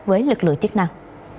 với lực lượng chức năng